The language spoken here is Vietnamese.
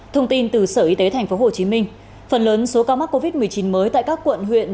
thông tin từ sở y tế tp hcm phần lớn số ca mắc covid một mươi chín mới tại các quận huyện